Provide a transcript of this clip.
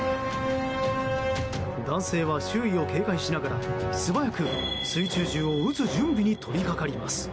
男性は周囲を警戒しながら素早く水中銃を撃つ準備に取りかかります。